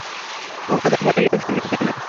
ও কথা বলিলে শুনিব কেন।